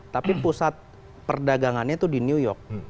tapi pusat perdagangannya itu di new york